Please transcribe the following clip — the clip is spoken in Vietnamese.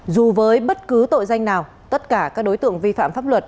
dù với bất cứ tội danh nào tất cả các đối tượng vi phạm pháp luật